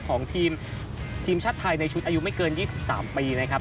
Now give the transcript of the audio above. ของทีมชาติไทยในชุดอายุไม่เกิน๒๓ปีนะครับ